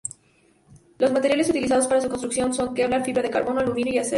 Los materiales utilizados para su construcción son Kevlar, fibra de carbono, aluminio y acero.